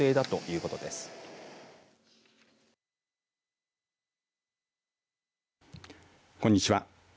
こんにちは。